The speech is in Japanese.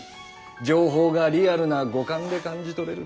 情報がリアルな五感で感じ取れる。